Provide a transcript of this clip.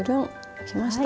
できました。